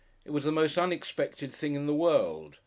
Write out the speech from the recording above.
It was the most unexpected thing in the world.